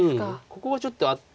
ここはちょっとあって。